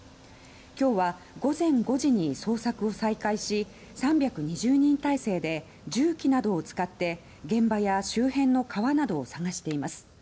今日は午前５時に捜索を再開し３２０人態勢で重機などを使って現場や周辺の川などを探しています。